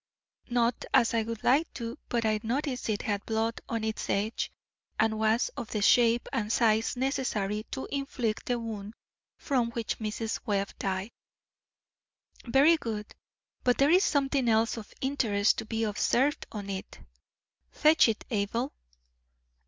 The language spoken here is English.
"Not as I would like to, but I noticed it had blood on its edge, and was of the shape and size necessary to inflict the wound from which Mrs. Webb died." "Very good, but there is something else of interest to be observed on it. Fetch it, Abel."